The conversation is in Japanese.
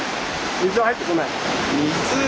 水は入ってこない？